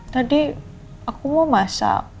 tadi aku mau masak